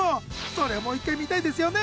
そりゃもう一回見たいですよね！